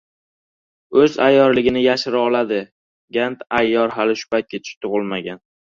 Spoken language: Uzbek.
O‘z ayyorligini yashira oladi gan ayyor hali shu paytgacha tug‘ilmagan.